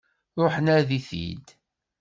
Ruḥ nadi-t-id!